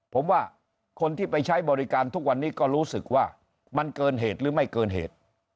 ผมว่าคนที่ไปใช้บริการทุกวันนี้ก็รู้สึกว่ามันเกินเหตุหรือไม่เกินเหตุ